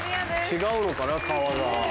違うのかな皮が。